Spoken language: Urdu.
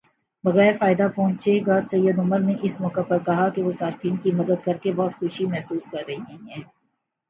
بغیر فائدہ پہنچے گا سید عمر نے اس موقع پر کہا کہ وہ صارفین کی مدد کرکے بہت خوشی محسوس کر رہے ہیں